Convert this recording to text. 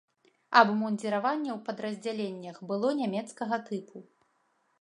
Абмундзіраванне ў падраздзяленнях было нямецкага тыпу.